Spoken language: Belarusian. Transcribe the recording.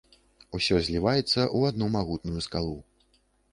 Усё зліваецца ў адну магутную скалу.